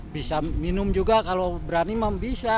bisa minum juga kalau berani memang bisa